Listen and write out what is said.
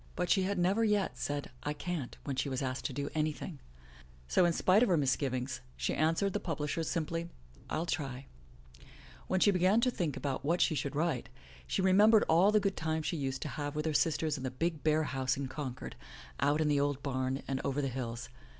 But she had never yet said ''I can't" when she was asked to do anything. So, 19 MY BOOK HOUSE in spite of her misgivings she answered the publishers simply, "I'll try/' When she began to think about what she should write, she remembered all the good times she used to have with her sisters in the big, bare house in Concord, out in the old bam, and over the hills.